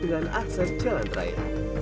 dengan akses jalan terakhir